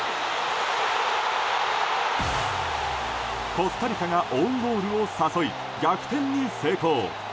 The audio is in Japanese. コスタリカがオウンゴールを誘い、逆転に成功。